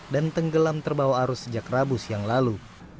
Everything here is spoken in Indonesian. dan tenggelam terbawa arus sejak rabu siang lalu